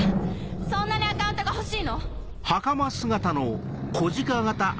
そんなにアカウントが欲しいの？